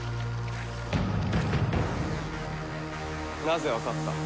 なぜわかった？